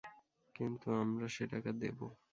কিন্তু আমরা সে টাকা দেবো।